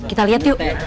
kita lihat yuk